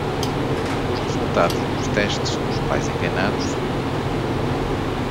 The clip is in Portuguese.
Os resultados dos testes dos pais enganados são bons